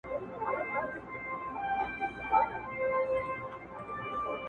ډیري مو په هیله د شبقدر شوګیرۍ کړي٫